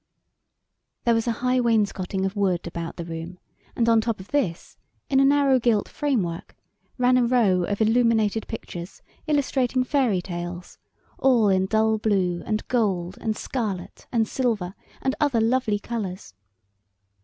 There was a high wainscoting of wood about the room, and on top of this, in a narrow gilt framework, ran a row of illuminated pictures, illustrating fairy tales, all in dull blue and gold and scarlet and silver and other lovely colors.